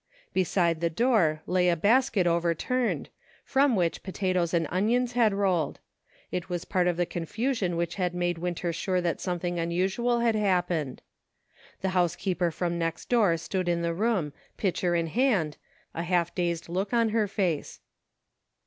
Beside the door lay a basket overturned, from which potatoes and onions had rolled ; it was part of the confusion which had made Winter sure that something unusual had happened. The housekeeper from next door stood in the room, pitcher in hand, a half dazed look on her face.